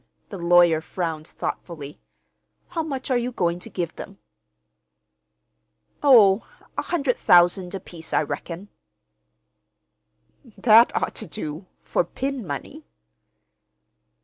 The lawyer frowned thoughtfully. "How much are you going to give them?" "Oh, a hundred thousand apiece, I reckon." "That ought to do—for pin money."